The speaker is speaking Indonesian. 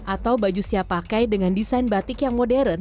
atau baju siap pakai dengan desain batik yang modern